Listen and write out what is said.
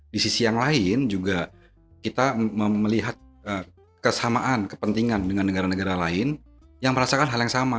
di sisi yang lain juga kita melihat kesamaan kepentingan dengan negara negara lain yang merasakan hal yang sama